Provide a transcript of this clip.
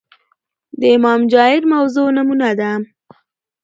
د امام جائر موضوع نمونه ده